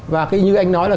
và như anh nói là